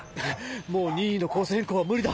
もう任意のコース変更は無理だ。